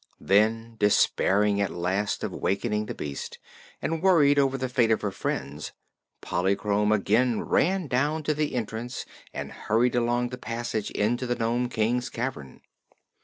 Then, despairing at last of wakening the beast, and worried over the fate of her friends, Polychrome again ran down to the entrance and hurried along the passage into the Nome King's cavern.